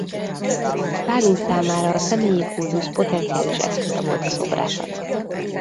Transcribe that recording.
Sztálin számára a személyi kultusz potenciális eszköze volt a szobrászat.